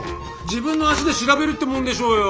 自分の足で調べるってもんでしょうよ。